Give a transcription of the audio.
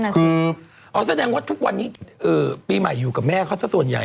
คืออ๋อแสดงว่าทุกวันนี้ปีใหม่อยู่กับแม่เขาสักส่วนใหญ่